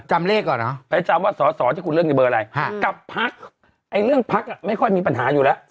จำเลขก่อนเหรอไปจำว่าสอสอที่คุณเลือกในเบอร์อะไรกับพักเรื่องพักไม่ค่อยมีปัญหาอยู่แล้ว